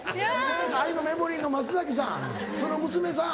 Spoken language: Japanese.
『愛のメモリー』の松崎さんその娘さん。